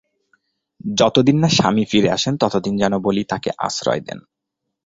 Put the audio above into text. যতদিন না স্বামী ফিরে আসেন, ততদিন যেন বলি তাঁকে আশ্রয় দেন।